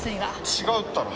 違うったら。